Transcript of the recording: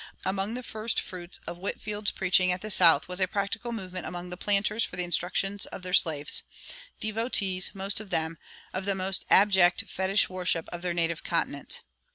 Among the first fruits of Whitefield's preaching at the South was a practical movement among the planters for the instruction of their slaves devotees, most of them, of the most abject fetich worship of their native continent.